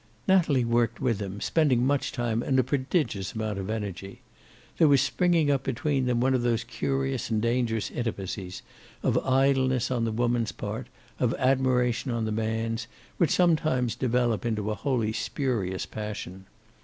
Natalie worked with him, spending much time and a prodigious amount of energy. There was springing up between them one of those curious and dangerous intimacies, of idleness on the woman's part, of admiration on the man's, which sometimes develop into a wholly spurious passion.